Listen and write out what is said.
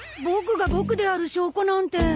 ボクがボクである証拠なんて。